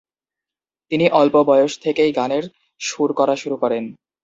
তিনি অল্প বয়স থেকেই গানের সুর করা শুরু করেন।